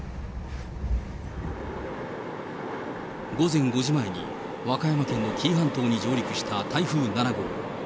午前５時前に和歌山県の紀伊半島に上陸した台風７号。